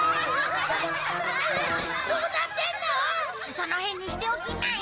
その辺にしておきなよ。